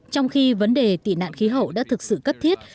trong khi vấn đề tị nạn khí hậu đã thực sự cấp thiết